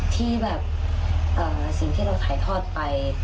ที่แบบที่เราก็ถ่ายทอดไป